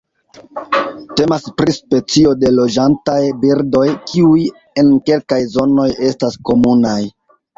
Temas pri specio de loĝantaj birdoj, kiuj en kelkaj zonoj estas komunaj.